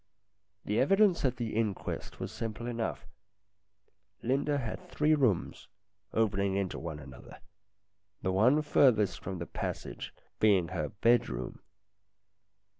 The evidence at the inquest was simple enough. Linda had three rooms, opening into one another, the one furthest from the passage being her bed room.